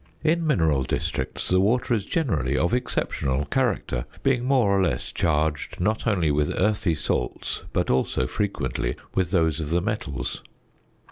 In mineral districts the water is generally of exceptional character, being more or less charged, not only with earthy salts, but also frequently with those of the metals.